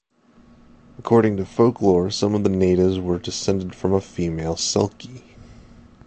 According to folklore, some of the natives were descended from a female selkie.